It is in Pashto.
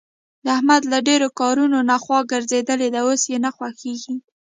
د احمد له ډېرو کارونو نه خوا ګرځېدلې ده. اوس یې نه خوښږېږي.